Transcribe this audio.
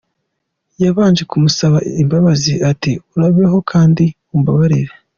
Yabanje kumusaba imbabazi ati :”Urabeho kandi umbabarire”.